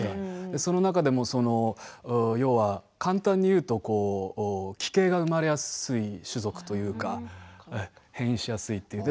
その中でも簡単に言うと奇形が生まれやすい種属というか変異しやすい。